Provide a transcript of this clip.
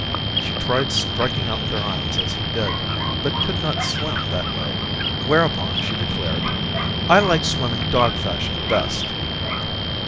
She tried striking out with her arms as he bid, but could not swim that way. Whereupon, she declared: "I like swimming dog fashion best."